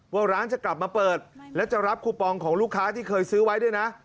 ว่าร้านจะกลับมาเปิดและจะรับคูปองของลูกค้าที่เคยซื้อไว้ด้วยนะ